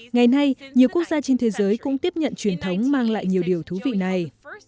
ngày nay nhiều quốc gia trên thế giới cũng tiếp nhận truyền thống mang lại nhiều điều thú vị này